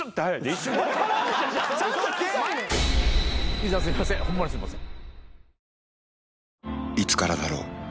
兄さんすいませんホンマにすいません。